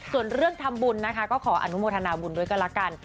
ส่วนเรื่องทำบุญนะคะก็ขออนุโมทนาบุญด้วยก็แล้วกัน